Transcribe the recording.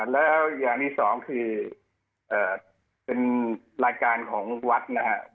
แล้วอย่างที่สองคือเป็นรายการของวัดนะฮะ